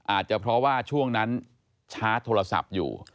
อาจจะเพราะว่าช่วงนั้นชาร์จโทรศัพท์อยู่